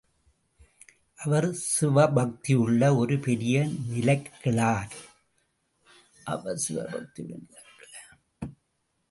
அவர் சிவபக்தியுள்ள ஒரு பெரிய நிலக்கிழார்.